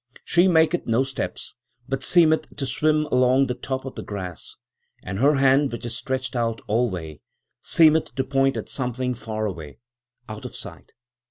She maketh no steps, but seemeth to swim along the top of the grass; and her hand, which is stretched out alway, seemeth to point at something far away, out of sight.